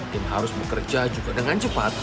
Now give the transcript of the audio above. tim harus bekerja juga dengan cepat